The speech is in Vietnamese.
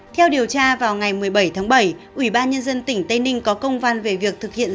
theo điều tra vào ngày một mươi bảy tháng bảy ủy ban nhân dân tỉnh tây ninh có công văn về việc thực hiện